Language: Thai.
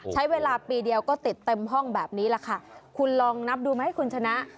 ใช้เวลาปีเดียวก็ติดเต็มห้องแบบนี้แหละค่ะคุณลองนับดูไหมคุณชนะ